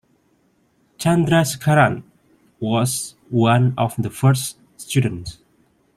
Chandrasekharan was one of the first students.